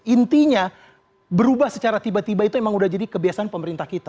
intinya berubah secara tiba tiba itu emang udah jadi kebiasaan pemerintah kita